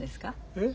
えっ？